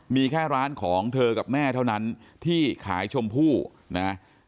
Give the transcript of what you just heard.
มีแค่ร้านของเธอกับแม่เท่านั้นที่ขายชมพู่นะ